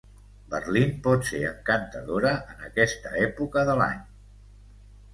Berlín pot ser encantadora en aquesta època de l'any.